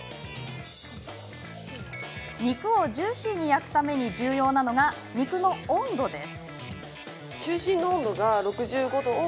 肉をジューシーに焼くために重要なのが肉の温度です。